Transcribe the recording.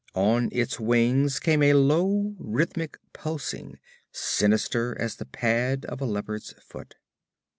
On its wings came a low, rhythmic pulsing, sinister as the pad of a leopard's foot.